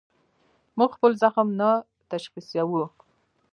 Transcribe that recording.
موږ خپل زخم نه تشخیصوو.